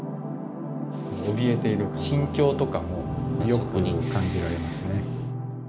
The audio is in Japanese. おびえている心境とかもよく感じられますね。